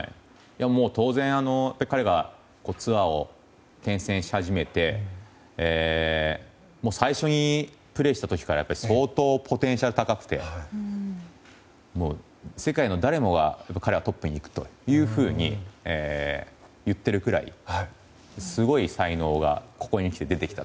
当然、彼がツアーを転戦し始めて最初にプレーした時から相当ポテンシャルが高くて世界の誰もが彼はトップにいくと言っているぐらいすごい才能がここにきて出てきたと。